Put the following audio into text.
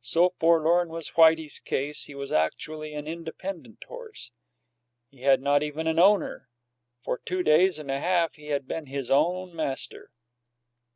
So forlorn was Whitey's case, he was actually an independent horse; he had not even an owner. For two days and a half he had been his own master.